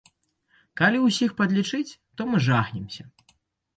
Калі ўсіх падлічыць, то мы жахнемся.